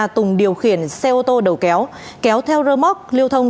tùng điều khiển xe ô tô đầu kéo kéo theo rơ móc lưu thông